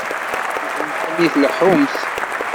Iban sani tleḥḥumt.